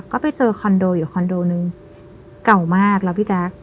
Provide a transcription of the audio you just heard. ก็ไปเจอคอนโดอยู่คอนโดนึงเก่ามากแล้วพี่แจ๊ค